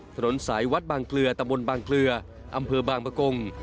ถนนสายวัดบางเกลือตะบนบางเกลืออำเภอบางประกง